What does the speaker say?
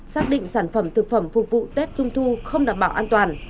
xác định sản phẩm thực phẩm phục vụ tết trung thu không đảm bảo an toàn